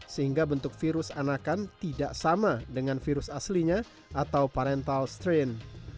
sehingga bentuk virus anakan tidak sama dengan virus aslinya atau parental strain